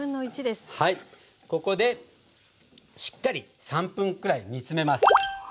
ここでしっかり３分くらい煮詰めます。